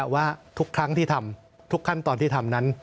ว่าทุกครั้งที่ทำทุกขั้นตอนที่ทำนั้น